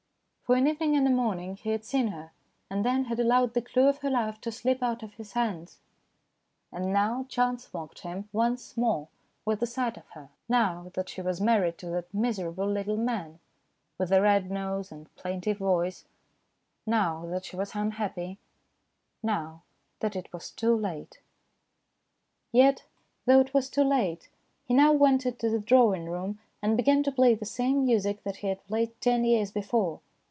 For an evening and a morning he had seen her, and then had allowed the clue of her life to slip out of his hands. And now chance mocked him once more with the sight of her now that she TOO SOON AND TOO LATE 189 was married to that miserable little man with the red nose and plaintive voice, now that she was unhappy, now that it was too late. Yet, though it was too late, he now went into the drawing room and began to play the same music that he had played ten years before.